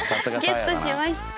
ゲットしました。